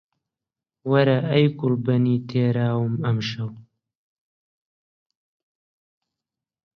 وەرە ئەی گوڵبنی تێراوم ئەمشەو